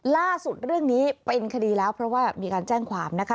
ล่าสุดเรื่องนี้เป็นคดีแล้วเพราะว่ามีการแจ้งความนะคะ